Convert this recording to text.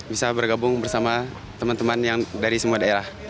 bisa bergabung bersama teman teman yang dari semua daerah